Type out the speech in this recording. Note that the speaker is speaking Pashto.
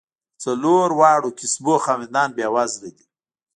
د څلور واړو کسبونو خاوندان بېوزله دي.